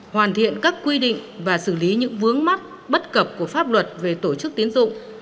hoàn thiện các quy định và xử lý những vướng mắc bất cập của pháp luật về tổ chức tiến dụng